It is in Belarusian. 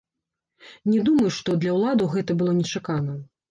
Не думаю, што для ўладаў гэта было нечакана.